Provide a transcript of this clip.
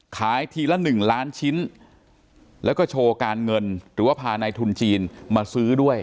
ขายทีละ๑ล้านชิ้นแล้วก็โชว์การเงินหรือว่าพาในทุนจีนมาซื้อด้วย